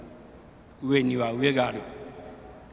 上には上がある。